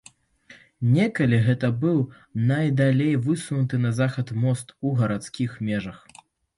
Некалі гэта быў найдалей высунуты на захад мост у гарадскіх межах.